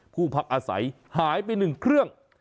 พักอาศัยหายไป๑เครื่อง